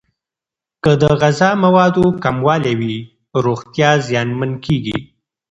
که د غذا موادو کموالی وي، روغتیا زیانمن کیږي.